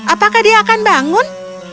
apakah dia akan bangun